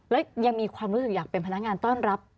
แล้วยังมีความรู้สึกอยากเป็นพนักงานต้อนรับ